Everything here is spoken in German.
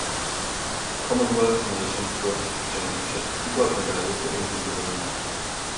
Commonwealth Nations Bridge Championship die Goldmedaille für Indien gewinnen.